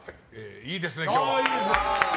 いいですね、今日は。